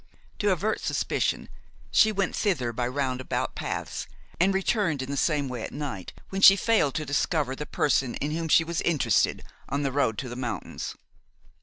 To avert suspicion, she went thither by roundabout paths, and returned in the same way at night when she had failed to discover the person in whom she was interested on the road to the mountains.